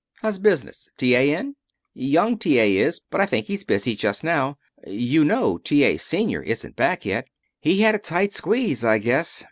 How's business? T. A. in?" "Young T. A. is. But I think he's busy just now. You know T. A. Senior isn't back yet. He had a tight squeeze, I guess.